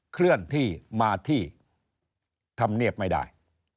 เคลื่อนที่มาที่ธรรมเนียบไม่ได้